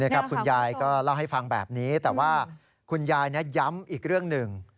คุณยายก็เล่าให้ฟังแบบนี้แต่ว่าคุณยายย้ำอีกเรื่องหนึ่ง